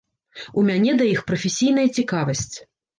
У мяне да іх прафесійная цікавасць.